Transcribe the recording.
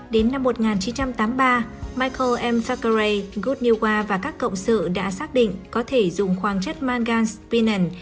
đến năm một nghìn chín trăm tám mươi ba michael m thackeray good new war và các cộng sự đã xác định có thể dùng khoáng chất manganese spinan